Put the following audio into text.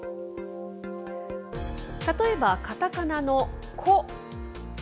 例えばカタカナのコ。